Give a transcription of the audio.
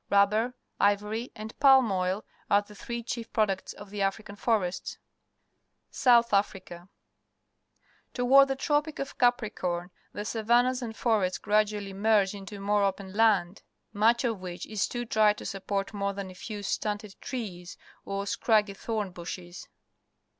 Rubber, ivory , and palm oi l are the three chief products of the African forests. South Africa. — Toward the Tropic of Cap ricorn the savamias and forests gradually merge into more open land, much of which RELIEF MAP OF AFRICA 230 PUBLIC SCHOOL GEOGRAPHY is too dry to support more than a few stunted trees or scraggy thorn bushes.